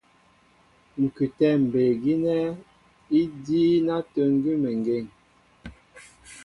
Ŋ̀kʉtɛ̌ mbey gínɛ́ i díín átə̂ ŋgʉ́meŋgeŋ.